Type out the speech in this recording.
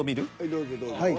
どうぞどうぞ。